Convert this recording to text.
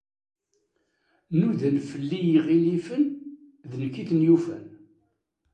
Nudan fell-i yiɣilifen, d nekk i ten-yufa.